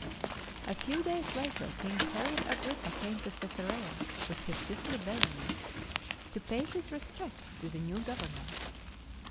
A few days later King Herod Agrippa came to Cesarea with his sister Berenice to pay his respects to the new Governor.